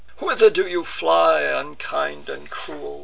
whither do you fly? Unkind and cruel!